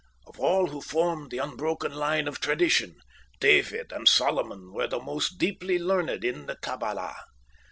Of all who formed the unbroken line of tradition, David and Solomon were the most deeply learned in the Kabbalah.